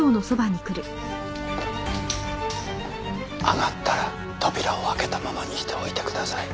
上がったら扉を開けたままにしておいてください。